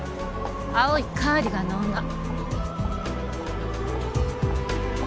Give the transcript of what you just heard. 青いカーディガンの女。